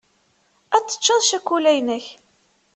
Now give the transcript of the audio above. Ad teččeḍ cakula-inek.